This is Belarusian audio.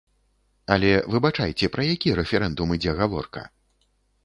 Але, выбачайце, пра які рэферэндум ідзе гаворка?